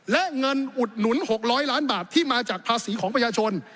และเงินอุดหนุน๖๐๐ล้านบาทที่มาจากภาษีของประชาชน